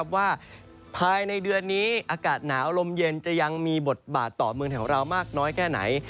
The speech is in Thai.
ว่าภายในเดือนนี้อากาศหนาวลมเย็นจะยังมีบทบาทต่อเมืองไทยของเรามากน้อยแค่ไหน